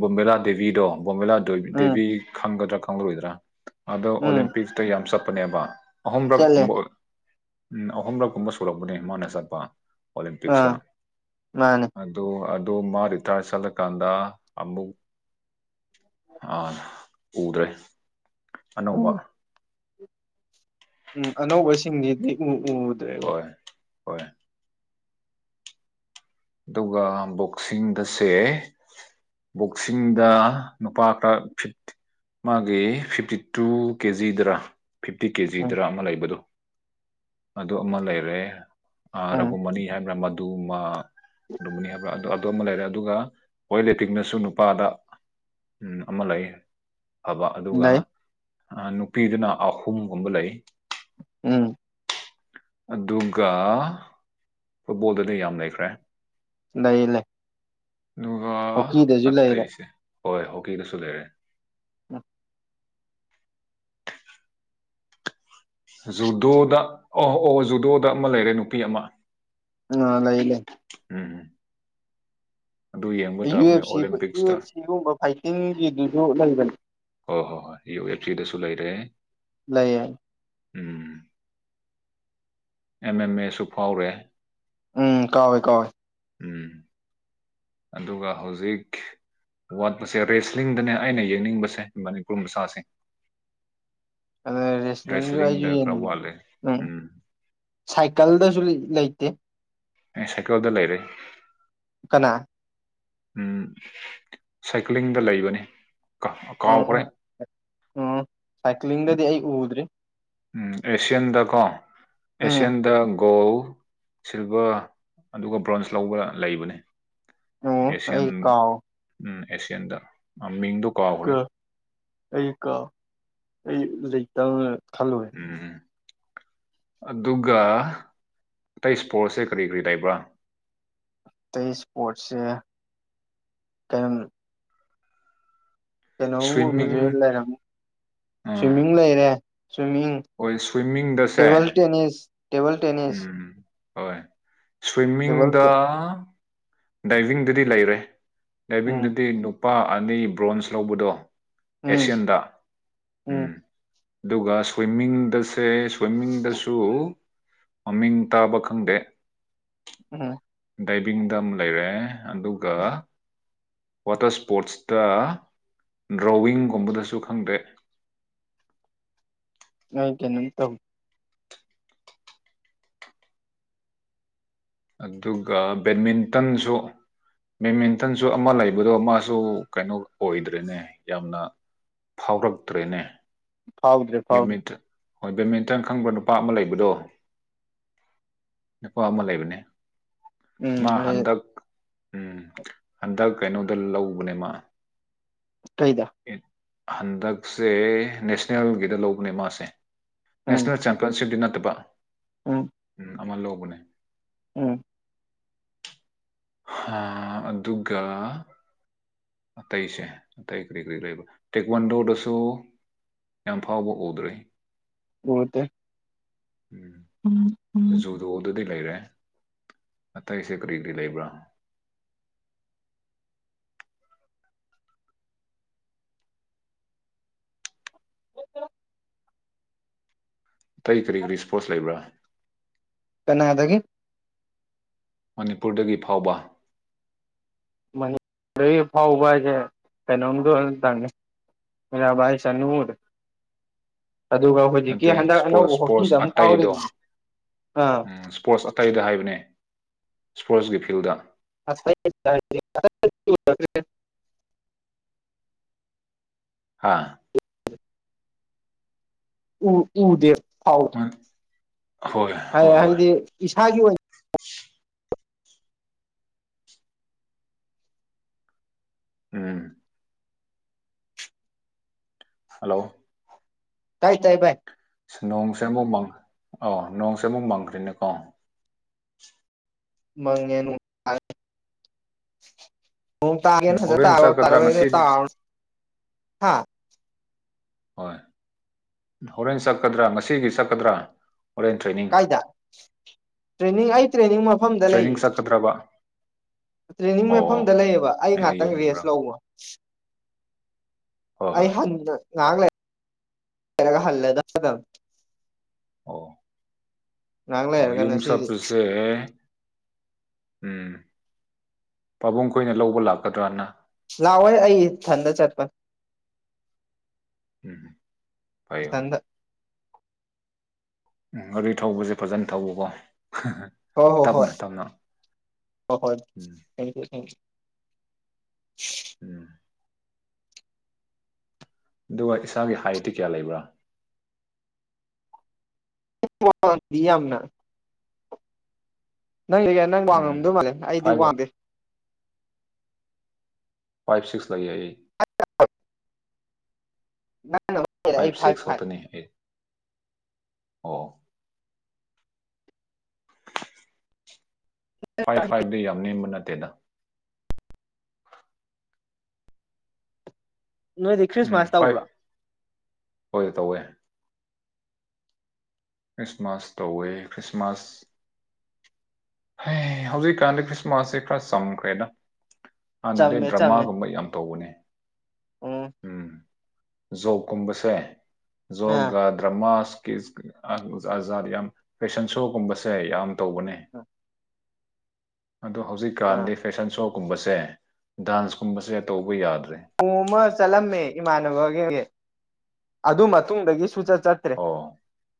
ꯕꯣꯝꯕꯂꯥ ꯗꯦꯕꯤꯗꯣ ꯕꯣꯝꯕꯤꯂꯥ ꯎꯝ ꯗꯦꯕꯤ ꯈꯪꯒꯗ꯭ꯔꯥ ꯈꯪꯒꯔꯣꯏꯗ꯭ꯔꯥ ꯑꯗꯣ ꯎꯝ ꯑꯣꯂꯦꯝꯄꯤꯇ ꯌꯥꯝ ꯆꯠꯄꯅꯦꯕ ꯑꯍꯨꯝꯔꯛ ꯆꯠꯂꯦ ꯀꯨꯝꯕ ꯎꯝ ꯑꯍꯨꯝꯔꯛ ꯀꯨꯝꯕ ꯁꯂꯛꯄꯅꯦ ꯃꯥꯅ ꯆꯠꯄ ꯑꯣꯂꯦꯝꯄꯤꯛꯁ ꯑꯥ ꯃꯥꯅꯦ ꯑꯗꯨ ꯃꯥ ꯔꯤꯇꯥꯌꯔ ꯆꯠꯂꯀꯥꯟꯗ ꯑꯃꯨꯛ ꯑ ꯎꯗ꯭ꯔꯦ ꯑꯅꯧꯕ ꯎꯝ ꯎꯝ ꯑꯅꯧꯕꯁꯤꯡꯗꯤ ꯎ ꯎꯗ꯭ꯔꯦꯕꯣ ꯍꯣꯏ ꯍꯣꯏ ꯑꯗꯨꯒ ꯕꯣꯛꯁꯤꯡꯗ ꯁꯦ ꯕꯣꯛꯁꯤꯡꯗ ꯅꯨꯄꯥ ꯈꯔ ꯐꯤꯠ ꯃꯥꯒꯤ ꯐꯤꯞꯇꯤ ꯇꯨ ꯀꯦꯖꯤꯗꯔꯥ ꯐꯤꯐꯇꯤ ꯎꯝ ꯀꯦꯖꯤꯗꯔ ꯑꯃ ꯂꯩꯕꯗꯣ ꯑꯗꯨ ꯑꯃ ꯂꯩꯔꯦ ꯑ ꯎꯝ ꯔꯘꯨꯃꯅꯤ ꯍꯥꯏꯕ꯭ꯔꯥ ꯃꯗꯨꯃ ꯑꯗꯨꯕꯨꯅꯤ ꯍꯥꯏꯕ꯭ꯔꯥ ꯑ ꯑꯗꯨꯃ ꯂꯩꯔꯦ ꯑꯗꯨꯒ ꯦꯠ ꯂꯤꯄꯤꯤꯤꯡꯅꯁꯨ ꯅꯨꯄꯥꯗ ꯎꯝ ꯑꯃ ꯂꯩꯌꯦ ꯐꯕ ꯑꯗꯨꯒ ꯂꯩ ꯅꯨꯄꯤꯗꯨꯅ ꯑꯍꯨꯝꯒꯨꯝꯕ ꯂꯩ ꯎꯝ ꯑꯗꯨꯒ ꯐꯨꯠꯕꯣꯜꯗꯗꯤ ꯌꯥꯝ ꯂꯩꯈ꯭ꯔꯦ ꯏ ꯂꯩꯦ ꯒꯥ ꯑꯥ ꯇꯁꯦ ꯍꯣꯏ ꯍꯣꯛꯀꯤꯗꯁꯨ ꯂꯩꯔꯦ ꯎ ꯖꯨꯗꯣꯗ ꯑꯣꯍ ꯑꯣ ꯖꯨꯗꯣꯗ ꯑꯃ ꯂꯩꯔꯦ ꯅꯨꯄꯤ ꯑꯃ ꯑ ꯂꯩ ꯂꯩ ꯂꯩ [inaudible] ꯑꯗꯨ ꯌꯦꯡꯕ ꯌꯨ ꯇꯥꯕꯅꯦ ꯑꯦꯐ ꯁꯤ ꯌꯨ ꯑꯣꯂꯦꯝꯄꯤꯛꯁꯇ ꯑꯦꯐ ꯁꯤꯒꯨꯝꯕ ꯐꯥꯏꯇꯤꯡꯒꯤꯗꯨꯁꯨ ꯂꯩꯕꯅꯤ ꯍꯣꯏ ꯍꯣꯏ ꯍꯣꯏ ꯌꯨ ꯑꯦꯜꯆꯖꯤꯗꯁꯨ ꯂꯩꯔꯦ ꯂꯩꯌꯦ ꯎꯝ ꯑꯦꯝ ꯑꯦꯝ ꯑꯦꯁꯨ ꯐꯥꯎꯔꯦ ꯎꯝ ꯀꯦ ꯀꯋꯦ ꯎꯝ ꯑꯗꯨꯒ ꯍꯧꯖꯤꯛ ꯋꯥꯠꯄꯁꯦ ꯔꯦꯁꯂꯤꯡꯗꯅꯦ ꯑꯩꯅ ꯌꯦꯡꯅꯤꯡꯕꯁꯦ ꯃꯅꯤꯄꯨꯔ ꯃꯆꯥꯁꯤꯡ ꯑ ꯔꯦꯁꯂꯤ ꯂꯏ ꯈꯔ ꯋꯥꯠꯂꯦ ꯎꯝ ꯁꯥꯏꯀꯜꯗꯁꯨ ꯂꯩꯇꯦ ꯑꯦ ꯁꯥꯏꯀꯜꯗ ꯂꯩꯔꯦ [inaudible] ꯎ ꯁꯥꯏꯀ꯭ꯂꯤꯡꯗ ꯂꯩꯕꯅꯤ ꯀ ꯀꯥꯎꯈ꯭ꯔꯦ ꯎꯝ ꯎꯝ ꯎꯝ ꯁꯥꯏꯀ꯭ꯂꯤꯡꯗꯗꯤ ꯑꯩ ꯎꯗ꯭ꯔꯤ ꯎꯝ ꯑꯦꯁꯤꯌꯥꯟꯗꯀꯣ ꯎꯝ ꯑꯦꯁꯤꯌꯥꯟꯗ ꯒꯣꯜ ꯁꯤꯜꯚꯔ ꯑꯗꯨꯒ ꯕ꯭ꯔꯣꯟꯖ ꯂꯧꯕ ꯂꯩꯕꯅꯦ ꯎꯝ ꯑꯦꯁꯤꯌꯥꯟ ꯑꯩꯀꯑꯣ ꯎꯝ ꯑꯦꯁꯤꯌꯥꯟꯗ ꯃꯤꯡꯗꯣ ꯀꯥꯎꯈ꯭ꯔꯦ ꯀ ꯑꯩ ꯀ ꯑꯩꯖꯤꯩꯇꯪ ꯎꯝ ꯑꯗꯨꯒ ꯑꯇꯩ ꯏꯁ꯭ꯄꯣꯔꯠꯁꯦ ꯀꯔꯤ ꯀꯔꯤ ꯇꯕ꯭ꯔꯥ ꯑꯇꯩ ꯏꯁꯄꯣꯔꯠꯁꯦ ꯀꯩꯅꯣꯝ ꯁ꯭ꯋꯤꯝꯃꯤꯡ ꯀꯩꯅꯣꯝꯒꯨꯝꯕꯁꯦ ꯂꯩꯔꯝ ꯑꯥ ꯁ꯭ꯋꯤꯃꯤꯡ ꯂꯩꯔꯦ ꯁ꯭ꯋꯤꯝꯃꯤꯡ ꯍꯣꯏ ꯁ꯭ꯋꯤꯃꯤꯡꯗꯁꯦ ꯇꯦꯕꯜ ꯇꯦꯅꯤꯁ ꯇꯦꯕꯜ ꯇꯦꯅꯤꯁ ꯎꯝ ꯍꯣꯏ ꯇꯦꯕꯜ ꯁ꯭ꯋꯤꯝꯃꯤꯡꯗ ꯗꯥꯏꯕꯤꯡꯗꯗꯤ ꯂꯩꯔꯦ ꯎꯝ ꯗꯥꯏꯕꯤꯡꯗꯨꯗꯤ ꯅꯨꯄꯥ ꯑꯅꯤ ꯕ꯭ꯔꯣꯟꯖ ꯂꯧꯕꯗꯣ ꯎꯝ ꯑꯦꯁꯤꯌꯥꯟꯗ ꯎꯝ ꯑꯗꯨꯒ ꯁ꯭ꯋꯤꯃꯤꯡꯗꯁꯦ ꯁ꯭ꯋꯤꯝꯃꯤꯡꯗꯁꯨ ꯃꯃꯤꯡ ꯇꯥꯕ ꯈꯪꯗꯦ ꯎꯝ ꯗꯥꯏꯕꯤꯡꯗ ꯑꯃꯨ ꯂꯩꯔꯦ ꯑꯗꯨꯒ ꯋꯥꯇꯔ ꯁꯄꯣꯔꯠꯁꯇ ꯗ꯭ꯔꯣꯋꯤꯡꯒꯨꯝꯕꯗꯁꯨ ꯈꯪꯗꯦ [inaudible] ꯑꯩ ꯀ ꯅ ꯇꯧ ꯑꯗꯨꯒ ꯕꯦꯠꯃꯤꯟꯇꯟꯁꯨ ꯕꯦꯠꯃꯤꯟꯇꯟꯁꯨ ꯑꯃ ꯂꯩꯕꯗꯣ ꯃꯥꯁꯨ ꯀꯩꯅꯣ ꯑꯣꯏꯗ꯭ꯔꯦꯅꯦ ꯌꯥꯝꯅ ꯐꯥꯎꯔꯛꯇ꯭ꯔꯦꯅꯦ ꯐꯥꯎꯗ꯭ꯔꯦ ꯐꯥꯎꯗ꯭ꯔꯦ ꯕꯦꯠꯃꯤꯟꯇꯟ ꯍꯣꯏ ꯕꯦꯗꯃꯤꯟꯇꯟ ꯈꯪꯕ ꯅꯨꯄꯥ ꯑꯃ ꯂꯩꯕꯗꯣ ꯅꯀꯣ ꯑꯃ ꯂꯩꯕꯅꯦ ꯎꯝ ꯃꯥ ꯍꯟꯗꯛ ꯍꯟꯗꯛ ꯀꯩꯅꯣꯗ ꯂꯧꯕꯅꯦ ꯃꯥ ꯀꯩꯗ ꯑꯦ, ꯍꯟꯗꯛꯁꯦ ꯅꯦꯁꯅꯦꯜꯒꯤꯗ ꯂꯧꯕꯅꯦ ꯃꯥꯁꯦ ꯎꯝ ꯅꯦꯁꯅꯦꯜ ꯆꯦꯝꯄꯤꯌꯟꯁꯤꯞꯇ ꯅꯠꯇꯦ ꯕ ꯎꯝ ꯑꯃ ꯂꯧꯕꯅꯦ ꯎꯝ ꯍꯥꯥ ꯑꯗꯨꯒꯒ ꯑꯇꯩꯁꯦ ꯑꯇꯩ ꯀꯔꯤ ꯀꯔꯤ ꯂꯩꯕ ꯇꯦꯛꯦꯛꯋꯥꯟꯗꯣꯗꯁꯨ ꯌꯥꯝ ꯐꯥꯎꯕ ꯎꯗ꯭ꯔꯦ ꯑꯣꯠꯇ ꯎꯝ ꯎꯝ ꯁꯨꯗꯣ ꯑꯗꯨꯗꯤ ꯂꯩꯔꯦ ꯑꯇꯩꯁꯦ ꯀꯔꯤ ꯀꯔꯤ ꯂꯩꯕ꯭ꯔꯥ ꯑꯇꯩ ꯀꯔꯤ ꯀꯔꯤ ꯏꯁꯄꯣꯔꯠꯁ ꯂꯩꯕ꯭ꯔꯥ ꯀꯅꯥꯗꯗꯒꯤ ꯃꯅꯤꯄꯨꯔꯗꯒꯤ ꯐꯥꯎꯕ ꯑꯗꯨꯗꯒꯤ ꯐꯥꯎꯕ ꯍꯥꯏꯁꯦ ꯀꯩꯅꯣꯝꯗ ꯇꯪꯉꯤ ꯃꯕꯥꯏ ꯁꯅꯨꯔ ꯑꯗꯨꯒ ꯍꯧꯖꯤꯛꯀꯤ ꯅꯠꯇꯦ ꯍꯟꯗꯛ ꯏꯁꯄꯣꯔꯠ ꯑꯅꯧꯕ ꯍꯣꯛꯀꯤꯗ ꯏꯁꯄꯣꯔꯠꯁ ꯑꯃꯨꯛ ꯑꯥꯎꯔꯤ ꯑꯇꯩꯗꯣ ꯏꯁꯄꯣꯔꯠꯁ ꯑꯇꯩꯗ ꯍꯥꯏꯕꯅꯦ ꯏꯁꯄꯣꯔꯠꯁꯀꯤ ꯐꯤꯜꯗ [unintelligible] ꯍꯥ ꯎ ꯎ ꯗꯦꯁ ꯊꯥꯎ ꯃꯟ- ꯍꯣꯏ ꯍꯣꯏ ꯍꯣꯏ ꯍꯥꯏꯗꯤ ꯏꯁꯥꯒꯤ ꯑꯣꯏꯅ ꯎꯝ ꯍꯜꯂꯣ ꯀꯥꯏ ꯇꯥꯏ ꯥꯏ ꯑꯁ ꯅꯣꯡꯁꯦ ꯑꯃꯨꯛ ꯃꯪ ꯑꯧ ꯅꯣꯡꯁꯦ ꯑꯃꯨꯛ ꯃꯪꯈ꯭ꯔꯤꯅꯦꯀꯣ ꯃꯉꯦꯅꯅꯨꯡ ꯇ ꯎꯝ ꯍꯣꯔꯦꯟ ꯆꯠꯀꯗ꯭ꯔꯥ ꯉꯁꯤꯗꯤ ꯍꯥ ꯍꯣꯏ ꯍꯣꯔꯦꯟ ꯆꯠꯀꯗ꯭ꯔꯥ ꯉꯁꯤꯒꯤ ꯆꯠꯀꯗ꯭ꯔꯥ ꯍꯣꯔꯦꯟ ꯇ꯭ꯔꯦꯅꯤꯡ ꯀꯥꯏꯗ ꯇ꯭ꯔꯦꯅꯤꯡ ꯑꯩ ꯇ꯭ꯔꯦꯅꯤꯡ ꯃꯐꯝꯗ ꯇ꯭ꯔꯦꯅꯤꯡ ꯂꯩꯌꯦ ꯆꯠꯀꯗ꯭ꯔꯕ ꯇ꯭ꯔꯦꯅꯤꯡ ꯑꯣ ꯃꯐꯝꯗ ꯂꯩꯌꯦꯕ ꯑꯩ ꯑꯩꯗꯤ ꯉꯥꯛꯇꯪ ꯌꯨꯝꯕ꯭ꯔꯥ ꯔꯦꯁ ꯂꯧꯕ ꯍꯣꯏ ꯑꯩ ꯍꯣꯏ ꯍꯜ ꯉꯥꯡꯔ ꯍꯜꯗ ꯑꯣ ꯑꯣ ꯂꯩꯔꯒ ꯉꯁꯤꯗꯤ ꯌꯨꯝꯁꯞꯄꯁꯦ ꯎꯝ ꯄꯥꯕꯨꯡ ꯀꯨꯏꯅ ꯂꯧꯕ ꯂꯥꯛꯀꯗ꯭ꯔꯅ ꯂꯥꯛꯑꯣ ꯑꯩ ꯏꯊꯟꯗ ꯆꯠꯄ ꯎꯝ ꯐ ꯍ ꯎꯝ ꯔꯤ ꯊꯧꯕꯁꯦ ꯐꯖꯅ ꯊꯧꯕꯀꯣ ꯍꯣꯏ ꯍꯣꯏ ꯍꯣꯏ ꯇꯞꯅ ꯇꯞꯅ ꯍꯣꯏ ꯍꯣꯏ ꯎꯝ ꯊꯦꯡꯨ ꯊꯦꯡꯨ ꯎꯝ [unintelligible] ꯑꯗꯨꯒ ꯏꯁꯥꯒꯤ ꯍꯥꯏꯠꯇꯤ ꯀꯌꯥ ꯂꯩꯕ꯭ꯔꯥ ꯌꯥꯝꯅ ꯅꯪꯗꯤ ꯀ ꯅꯪ ꯎꯝ ꯋꯥꯡꯉꯝꯗꯧ ꯃꯥꯜꯂꯦ ꯑꯩꯗꯤ ꯐꯥꯏꯚ ꯋꯥꯡꯗꯦ ꯐꯥꯏꯚ ꯁꯤꯛꯁ ꯂꯩꯌꯦ ꯦ ꯑꯩ ꯐꯥꯏꯚ ꯐꯥꯏ ꯁꯤꯛꯁ ꯐ ꯈꯛꯇꯅꯤ ꯑꯩ ꯑꯣ ꯐꯥꯏꯚ ꯐꯥꯏꯚꯗꯤ ꯌꯥꯝ ꯅꯦꯝꯕ ꯅꯠꯇꯦꯗ ꯅꯣꯏꯗꯤ ꯎꯝ ꯈ꯭ꯔꯤꯁꯃꯥꯁ ꯇꯧꯕ꯭ꯔꯥ ꯐꯥꯏꯚ ꯍꯣꯏ ꯇꯧꯋꯦ ꯈ꯭ꯔꯤꯁꯃꯥꯁ ꯇꯧꯋꯦ ꯈ꯭ꯔꯤꯁꯃꯥꯁ ꯍꯧꯖꯤꯛ ꯀꯥꯟꯗ ꯈ꯭ꯔꯤꯁꯃꯥꯁꯁꯦ ꯈꯔ ꯆꯝꯈ꯭ꯔꯦꯅ ꯍꯥꯟꯅꯗꯩ ꯆꯝꯃꯦ ꯆꯝꯃꯦ ꯗ꯭ꯔꯃꯥꯒꯨꯝꯕ ꯌꯥꯝ ꯇꯧꯕꯅꯦ ꯎꯝ ꯖꯣ ꯀꯨꯝꯕꯁꯦ ꯖꯣ ꯑꯥ ꯒ ꯗ꯭ꯔꯃꯥꯁꯀꯤ ꯑꯖꯥꯠ ꯌꯥꯝ ꯐꯦꯁꯟ ꯁꯣꯒꯨꯝꯕꯁꯦ ꯌꯥꯝ ꯇꯧꯕꯅꯦ ꯑꯗꯣ ꯑꯥ ꯍꯧꯖꯤꯛꯀꯥꯟꯗꯤ ꯐꯦꯁꯟ ꯁꯣꯒꯨꯝꯕꯁꯦ ꯗꯥꯟꯁꯀꯨꯝꯕꯁꯦ ꯇꯧꯕ ꯌꯥꯗ ꯎꯃ ꯁꯂꯝ ꯏꯃꯥꯒꯦꯦ ꯑꯗꯨ ꯃꯇꯨꯡꯗꯒꯤ ꯁꯨꯆꯠ ꯆꯠꯇ꯭ꯔꯦ ꯑꯣ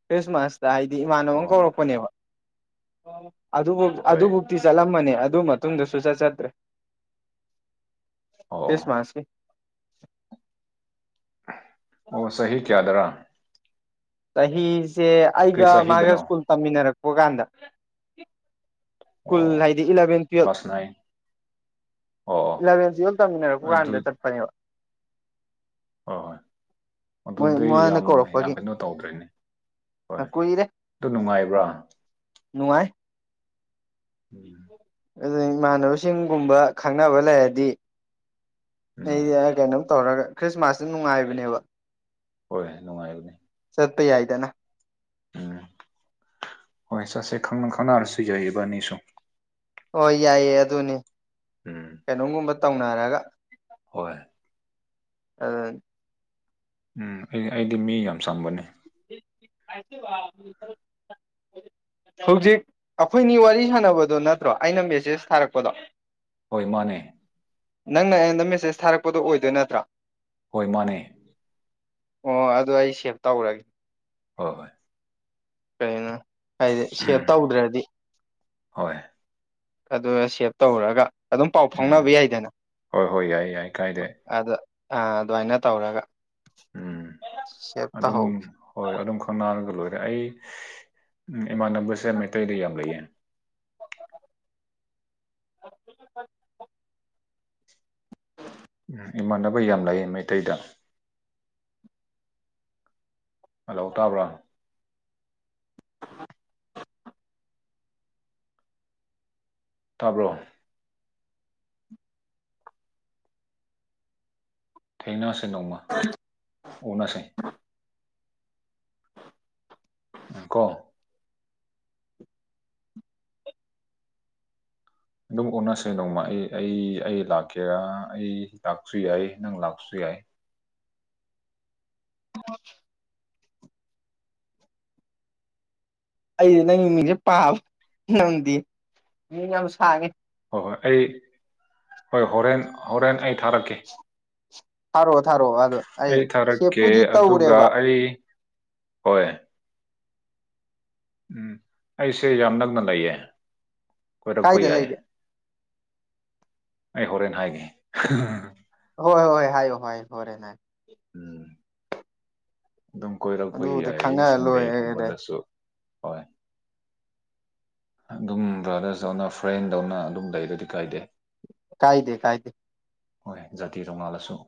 ꯈ꯭ꯔꯤꯁꯃꯥꯁ ꯍꯥꯏꯗꯤ ꯏꯃꯥꯟꯅꯕ ꯑꯃ ꯑꯣ ꯀꯧꯔꯛꯄꯅꯦꯕ ꯍꯣꯏ ꯑꯗꯨꯕꯨꯧꯤ ꯆꯠꯂꯝꯕꯅꯦ ꯑꯗꯨ ꯃꯇꯨꯡꯗꯨꯁꯨꯨ ꯆꯠ ꯆꯠꯇ꯭ꯔꯦ ꯑꯣ ꯑꯣ ꯈ꯭ꯔꯤꯁꯃꯥꯁꯀꯤ ꯑꯣ ꯁꯍꯤ ꯀꯌꯥꯗꯔꯥ ꯆꯍꯤꯁꯦ ꯀꯔꯤ ꯑꯩꯒ ꯃꯥꯒ ꯆꯍꯤꯗꯅꯣ ꯁ꯭ꯀꯨꯜ ꯇꯝꯃꯤꯟꯅꯔꯛꯄ ꯀꯥꯟꯗ ꯁ꯭ꯀꯨꯜ ꯑꯣ ꯍꯥꯏꯗꯤ ꯏꯂꯚꯦꯟ ꯇꯨꯋꯜꯞ ꯀ꯭ꯂꯥꯁ ꯅꯥꯏꯟ ꯑꯣ ꯏꯂꯚꯦꯟꯁꯨ ꯌꯜ ꯇꯝꯃꯤꯟꯅꯔꯛꯄ ꯑꯗꯨ ꯀꯥꯟꯗ ꯆꯠꯄꯅꯦꯕ ꯍꯣꯏ ꯍꯣꯏ ꯃꯣꯏ ꯑꯗꯨꯗꯤ ꯃꯥꯅ ꯌꯥꯝ ꯌꯥꯝ ꯀꯧꯔꯛꯄꯒꯤ ꯀꯩꯅꯣ ꯇꯧꯗ꯭ꯔꯤꯅꯦ ꯍꯣꯏ ꯀꯨꯏꯔꯦ ꯑꯗꯨ ꯅꯨꯡꯉꯥꯏꯕ꯭ꯔꯥ ꯅꯨꯡꯉꯥꯏ ꯎꯝ ꯑꯗꯨ ꯏꯃꯥꯟꯅꯕꯁꯤꯡꯒꯨꯝꯕ ꯈꯪꯅꯕ ꯂꯩꯔꯗꯤ ꯎꯝ ꯑꯩꯗꯤ ꯀꯩꯅꯣꯝ ꯇꯧꯔꯒ ꯈ꯭ꯔꯤꯁꯃꯥꯁꯁꯤ ꯅꯨꯡꯉꯥꯏꯕꯅꯦꯕ ꯍꯣꯏꯣꯏ ꯅꯨꯡꯉꯥꯏꯕꯅꯤ ꯆꯄ ꯌꯥꯏꯗꯅ ꯎꯝ ꯍꯣꯏ ꯁꯥꯟꯁ ꯈꯪꯅ ꯈꯥꯡꯅꯔꯁꯤꯖꯩꯕ ꯅ ꯁꯨꯡ ꯍꯣꯏ ꯌꯥꯏꯌꯦ ꯑꯗꯨꯅꯤ ꯎꯝ ꯀꯩꯅꯣꯝꯒꯨꯝꯕ ꯇꯧꯅꯔꯒ ꯍꯣꯏ ꯑ ꯎꯝ ꯑꯩ ꯑꯩꯗꯤ ꯃꯤ ꯌꯥꯝ ꯆꯝꯕꯅꯤ [inaudible] ꯍꯧꯖꯤꯛ ꯑꯩꯈꯣꯏꯅꯤ ꯋꯥꯔꯤ ꯁꯥꯟꯅꯕꯗꯣ ꯅꯠꯇ꯭ꯔꯣ ꯑꯩꯅ ꯃꯦꯁꯦꯖ ꯊꯥꯔꯛꯄꯗꯣ ꯍꯣꯏ ꯃꯥꯅꯦ ꯅꯪꯅ ꯑꯩꯉꯣꯟꯗ ꯃꯦꯁꯦꯁ ꯊꯥꯔꯛꯄꯗꯣ ꯑꯣꯏꯗꯣꯏ ꯅꯠꯇ꯭ꯔꯥ ꯍꯣꯏ ꯃꯅꯦ ꯑꯣ ꯑꯗꯨ ꯑꯩ ꯁꯦꯚ ꯇꯧꯔꯒꯦ ꯍꯣꯏ ꯍꯣꯏ ꯀꯩꯅꯣ ꯍꯥꯏꯗꯤ ꯁꯦꯞ ꯎꯝ ꯇꯧꯗ꯭ꯔꯗꯤ ꯍꯣꯏ ꯑꯗꯨꯒ ꯁꯦꯚ ꯇꯧꯔꯒ ꯑꯗꯨꯝ ꯄꯥꯎ ꯎꯝ ꯐꯥꯎꯅꯕ ꯌꯥꯏꯗꯅ ꯍꯣꯏ ꯍꯣꯏ ꯌꯥꯏ ꯌꯥꯏ ꯀꯥꯏꯗꯦ ꯑ ꯑꯗꯨꯃꯥꯏꯅ ꯇꯧꯔꯒ ꯎꯝ ꯁꯦꯞ ꯑꯗꯨꯝ ꯇꯧꯍꯧꯒꯦ ꯍꯣꯏ ꯑꯗꯨꯝ ꯈꯪꯅꯔꯒ ꯂꯣꯏꯔ ꯑꯗ ꯑꯩ ꯏꯃꯥꯟꯅꯕꯁꯦ ꯃꯩꯇꯩꯗ ꯌꯥꯝ ꯂꯩꯌꯦ ꯎ ꯏꯃꯥꯟꯅꯕ ꯌꯥꯝ ꯂꯩ ꯃꯩꯇꯩꯗ ꯍꯜꯂꯣ ꯇꯥꯕ꯭ꯔꯥ ꯇꯥꯕ꯭ꯔꯣ ꯊꯦꯡꯅꯁꯦ ꯅꯣꯡꯃ ꯑꯣꯅꯁꯦ [unintelligible] ꯎ ꯀꯣ ꯑꯗꯨꯝ ꯑꯣꯟꯅꯁꯦ ꯅꯣꯡꯃ ꯑꯩ ꯑꯩ ꯑꯩ ꯂꯥꯛꯀꯦꯔꯥ ꯑꯩ ꯂꯥꯛꯁꯨ ꯌꯥꯏ ꯅꯪ ꯂꯥꯛꯁꯨ ꯌꯥꯏ ꯀꯏ [unintelligible] ꯍ [inaudible] ꯑꯩ ꯅꯪꯒꯤ ꯃꯤꯡꯁꯦ ꯄꯥꯕ ꯅꯪꯗꯤ ꯃꯤ ꯌꯥꯝ ꯁꯥꯡꯉꯦ ꯍꯣꯏ ꯍꯣꯏ ꯑꯩ ꯍꯣꯏ ꯍꯣꯔꯦꯟ ꯍꯣꯔꯦꯟ ꯑꯩ ꯊꯥꯔꯛꯀꯦ ꯊꯔꯣ ꯑꯩ ꯊꯥꯔꯛꯀꯦ ꯑꯗꯨꯒ ꯇꯧꯔꯦꯕ ꯑꯩ ꯍꯣꯏ ꯎꯝ ꯑꯩꯁꯦ ꯌꯥꯝ ꯅꯛꯅ ꯂꯩꯌꯦ ꯀꯣꯏꯔꯛꯄ ꯀꯥꯏꯗ ꯌꯥꯏ ꯂꯩꯒꯦ ꯑꯩ ꯍꯣꯔꯦꯟꯦ ꯍꯥꯏꯒꯦ ꯍꯣꯏ ꯍꯣꯏ ꯍꯥꯏꯌꯣ ꯍꯣꯔꯦꯅꯥ ꯎꯝ ꯑꯗꯨꯝ ꯀꯣꯏꯔꯛꯄ ꯑꯗꯨꯕꯨꯗꯤ ꯌꯥꯏ ꯈꯪꯅꯔ ꯂꯣꯏꯔꯦ ꯁꯟꯗꯦꯒꯨꯝꯕꯗꯁꯨ ꯍꯣꯏ ꯑꯗꯨꯝ ꯕ꯭ꯔꯥꯗꯔꯁꯇꯧꯅ ꯐ꯭ꯔꯦꯟꯗꯧꯅ ꯑꯗꯨꯝ ꯂꯩ ꯑꯗꯨꯗꯤ ꯀꯥꯏꯗꯦ ꯀꯥꯏꯗꯦ ꯀꯥꯏꯗꯦ ꯍꯣꯏ ꯖꯥꯇꯤ ꯇꯣꯉꯥꯜꯂꯁꯨ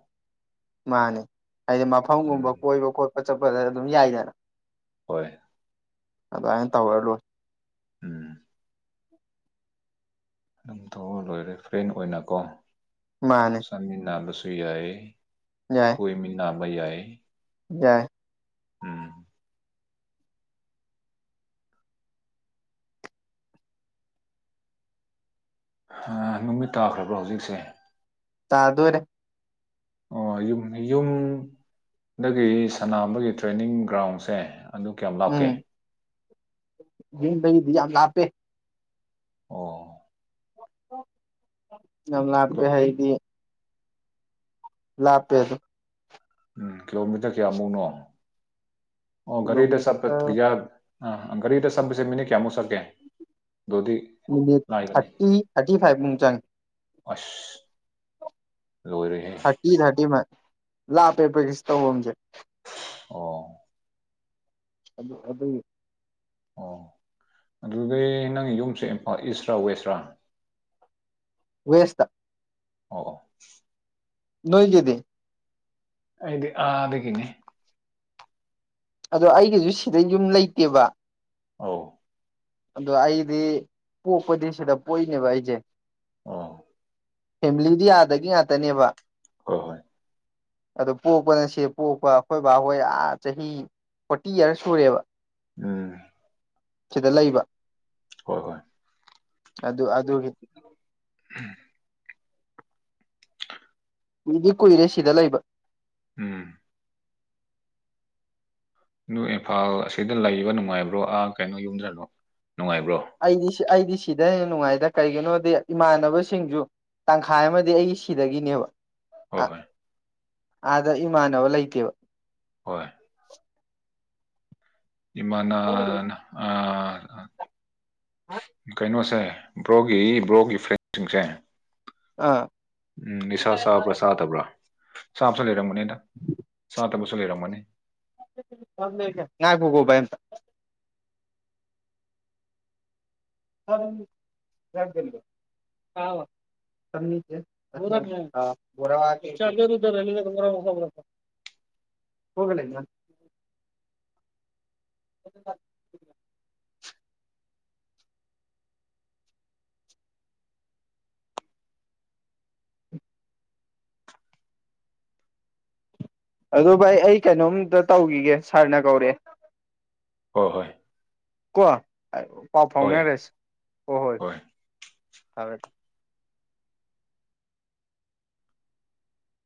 ꯃꯥꯅꯦ ꯍꯥꯏꯗꯤ ꯃꯐꯝꯒꯨꯝꯕ ꯎꯝ ꯀꯣꯏꯕ ꯈꯣꯠꯄ ꯆꯠꯄꯗ ꯑꯗꯨꯝ ꯌꯥꯏꯗꯅ ꯍꯣꯏ ꯑꯗꯨꯃꯅ ꯇꯧꯍꯂꯨ ꯎꯝ ꯑꯗꯨꯝ ꯊꯣꯛꯑ ꯂꯣꯏꯔꯦ ꯐ꯭ꯔꯦꯟ ꯑꯣꯏꯅꯀꯣ ꯃꯥꯅꯦ ꯆꯥꯃꯤꯟꯅꯕꯁꯨ ꯌꯥꯏ ꯌꯥꯏ ꯀꯣꯏ ꯃꯤꯅꯥꯕꯩ ꯌꯥꯏ ꯌꯥꯏ ꯎꯝ ꯅꯨꯃꯤꯠ ꯇꯥꯈ꯭ꯔꯕ꯭ꯔꯣ ꯍꯧꯖꯤꯛꯁꯦ ꯇꯗꯨꯔꯦ ꯑꯣ ꯌꯨꯝ ꯌꯨꯝꯗꯒꯤ ꯁꯅꯥꯕꯒꯤ ꯇ꯭ꯔꯦꯅꯤꯡ ꯒ꯭ꯔꯥꯎꯟꯁꯦ ꯑꯗꯨ ꯀꯌꯥꯝ ꯂꯥꯛꯀꯦ ꯂꯩꯗꯤ ꯌꯥꯝ ꯂꯥꯞꯄꯦ ꯑꯣ ꯅꯝ ꯂꯥꯛꯄ ꯍꯥꯏꯗꯤ ꯂꯥꯛꯄꯦ ꯑꯗꯨ ꯎ ꯀꯤꯂꯣꯃꯤꯗ ꯀꯌꯥꯃꯨꯅ ꯑꯣ ꯒꯔꯤꯗ ꯆꯠꯄ ꯀꯤꯂꯣꯃꯤꯇꯔ ꯑ ꯒꯥꯔꯤꯗ ꯆꯝꯕꯄꯁꯦ ꯃꯤꯅ ꯀꯌꯥꯃꯨꯛ ꯁꯠ ꯂꯥꯏꯕꯅꯦ ꯊꯥꯔꯇꯤ ꯊꯥꯔꯇꯤ ꯐꯥꯏꯚ ꯃꯨꯛ ꯆꯪꯑ ꯑꯁ ꯂꯣꯏꯔꯦꯍꯦ ꯊꯔꯇꯤ ꯊꯔꯇꯤ ꯂ ꯄꯦ ꯄꯦꯁ ꯇꯧꯧꯕꯣꯦ ꯑꯣ ꯑꯗꯨ ꯑꯗꯨ ꯑꯣ ꯑꯗꯨꯗꯤ ꯅꯪ ꯌꯨꯝꯁꯦ ꯏꯝꯐꯥꯜ ꯏꯁꯔꯥ ꯋꯦꯁꯔꯥ ꯋꯦꯁꯇ ꯑ ꯅꯣꯏꯒꯦꯗ ꯗꯤ ꯑ ꯑꯗ ꯀꯅꯦ ꯑꯗꯣ ꯑꯩꯒꯤꯁꯨ ꯁꯤꯗ ꯌꯨꯝ ꯂꯩꯇꯦꯕ ꯑ ꯑꯗ ꯑꯩꯗꯤ ꯄꯣꯛꯄꯗꯤ ꯁꯤꯗ ꯄꯣꯛꯏꯅꯦꯕ ꯑꯩꯖꯦ ꯑꯣ ꯐꯦꯃꯤꯂꯤꯗꯤ ꯑꯗꯒꯤ ꯉꯥꯛꯇꯅꯦꯕ ꯍꯣꯏ ꯍꯣꯏ ꯑꯗꯨ ꯄꯣꯛꯄꯅ ꯁꯤ ꯄꯣꯛꯄ ꯑꯩꯈꯣꯏ ꯕꯥꯍꯣꯏꯥ ꯑꯥ ꯆꯍꯤ ꯐꯣꯔꯇꯤ ꯌꯔꯁ ꯁꯨꯔꯦꯕ ꯎꯝ ꯁꯤꯗ ꯂꯩꯕ ꯍꯣꯏ ꯍꯣꯏ ꯑꯗꯨ ꯑꯗꯨꯒꯤ ꯃꯤꯗꯤ ꯀꯨꯏꯔꯦ ꯁꯤꯗ ꯂꯩꯕ ꯎꯝ ꯑꯗꯨ ꯏꯝꯐꯥꯜ ꯑꯁꯤꯗ ꯂꯩꯕ ꯅꯨꯡꯉꯥꯏꯕ꯭ꯔꯣ ꯑꯥ ꯀꯩꯅꯣ ꯌꯨꯝꯗ ꯅꯨꯡꯉꯥꯏꯕ꯭ꯔꯣ ꯑꯩꯗꯤ ꯑꯩꯗꯤ ꯁꯤꯗ ꯍꯦꯟꯅ ꯅꯨꯡꯉꯥꯏꯗ ꯀꯩꯒꯤꯅꯣꯗꯤ ꯏꯃꯥꯟꯅꯕꯁꯤꯡꯁꯨ ꯇꯪꯈꯥꯏ ꯑꯃꯗꯤ ꯑꯩꯒꯤ ꯁꯤꯗꯒꯤꯅꯦꯕ ꯍꯣꯏ ꯍꯣꯏ ꯑꯥꯗ ꯏꯃꯥꯟꯅꯕ ꯂꯩꯇꯦꯕ ꯍꯣꯏ ꯏꯃꯅ ꯑ ꯀꯩꯅꯩꯅꯣ ꯁꯦ ꯕ꯭ꯔꯣꯒꯤ ꯕ꯭ꯔꯣꯒꯤ ꯐ꯭ꯔꯦꯟꯁꯤꯡꯁꯦ ꯑꯥ ꯎꯝ ꯅꯤꯁꯥ ꯆꯥꯕ꯭ꯔꯥ ꯆꯥꯗꯕ꯭ꯔꯥ ꯆꯥꯕꯁꯨ ꯂꯩꯔꯝꯒꯅꯤꯅ ꯆꯥꯕ ꯂꯩꯔꯝꯒꯅꯤ ꯉꯥꯛꯕꯣꯕ ꯑꯦ ꯑ [unintelligible] [inaudible] ꯍꯒꯂꯗ [unintelligible] [inaudible] ꯑꯗꯨ ꯚꯥꯏ ꯑꯩ ꯀꯩꯅꯣꯝꯇ ꯇꯧꯒꯤꯒꯦ ꯁꯥꯔꯅ ꯀꯧꯔꯛꯑꯦ ꯍꯏ ꯍꯣꯏ ꯀꯣ ꯑ ꯄꯥꯎ ꯍꯣꯏ ꯐꯥꯎꯅꯔꯁꯤ ꯍꯣ ꯍꯣꯏ [unintelligible]